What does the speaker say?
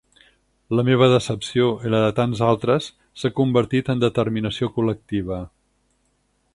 La meva decepció, i la de tants altres, s’ha convertit en determinació col·lectiva.